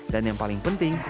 dan yang paling penting